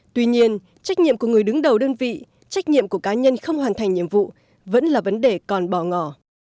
tuy nhiên trách nhiệm của người đứng đầu đơn vị trách nhiệm của cá nhân không hoàn thành nhiệm vụ vẫn là vấn đề còn bỏ ngỏ